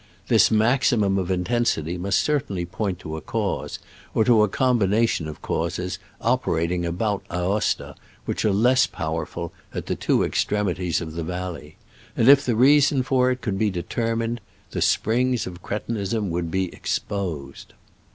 This maximum of intensity must certainly point to a cause, or to a combination of causes, operating about Aosta, which are less powerful at the two extremities of the valley ; and if the reason for it could be determined, the springs of cretinism would be exposed.